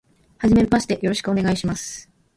初めましてよろしくお願いします。